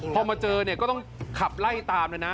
พอมาเจอเนี่ยก็ต้องขับไล่ตามเลยนะ